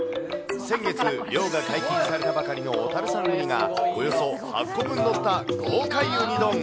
先月、漁が解禁されたばかりの小樽産のウニがおよそ８個分載った、豪快ウニ丼。